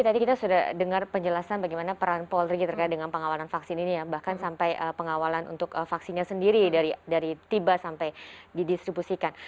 tadi kita sudah dengar penjelasan bagaimana peran polri terkait dengan pengawalan vaksin ini ya bahkan sampai pengawalan untuk vaksinnya sendiri dari tiba sampai didistribusikan